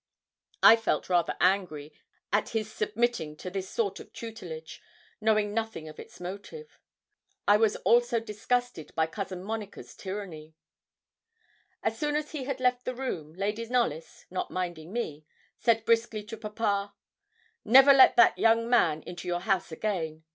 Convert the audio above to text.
I felt rather angry at his submitting to this sort of tutelage, knowing nothing of its motive; I was also disgusted by Cousin Monica's tyranny. So soon as he had left the room, Lady Knollys, not minding me, said briskly to papa, 'Never let that young man into your house again.